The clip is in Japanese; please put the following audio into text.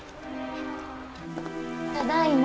ただいま。